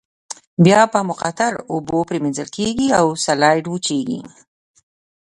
بیا په مقطرو اوبو پریمنځل کیږي او سلایډ وچیږي.